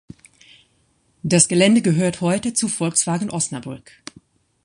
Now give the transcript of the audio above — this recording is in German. Das Gelände gehört heute zu Volkswagen Osnabrück.